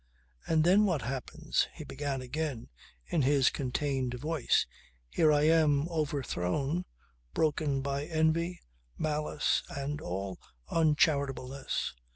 "And then what happens?" he began again in his contained voice. "Here I am, overthrown, broken by envy, malice and all uncharitableness.